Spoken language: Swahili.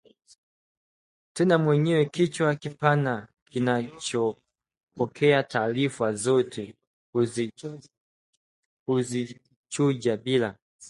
Tena mwenye kichwa kipana kinachopokea taarifa zote kuzichuja bila